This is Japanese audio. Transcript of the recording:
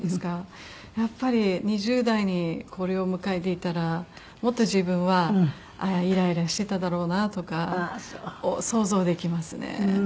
やっぱり２０代にこれを迎えていたらもっと自分はイライラしてただろうなとか想像できますね。